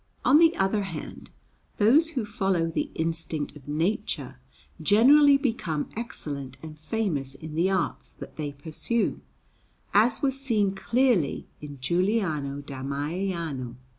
On the other hand, those who follow the instinct of nature generally become excellent and famous in the arts that they pursue; as was seen clearly in Giuliano da Maiano.